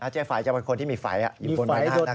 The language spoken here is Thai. เจ๊ไฝ่จำเป็นคนที่มีไฝ่อยู่บนบริษัท